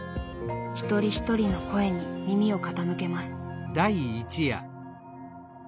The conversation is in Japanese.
一人一人の声に耳を傾けます。